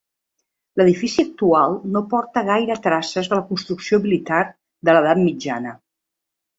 L'edifici actual no porta gaire traces de la construcció militar de l'edat mitjana.